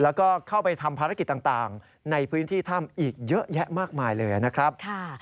แล้วก็เข้าไปทำภารกิจต่างในพื้นที่ถ้ำอีกเยอะแยะมากมายเลยนะครับ